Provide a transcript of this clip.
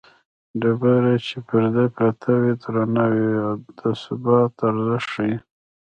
ډبره چې پر ځای پرته وي درنه وي د ثبات ارزښت ښيي